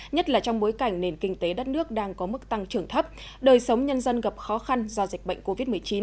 nhất là trong bối cảnh nền kinh tế đất nước đang có mức tăng trưởng thấp đời sống nhân dân gặp khó khăn do dịch bệnh covid một mươi chín